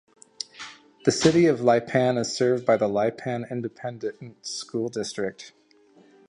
The City of Lipan is served by the Lipan Independent School District.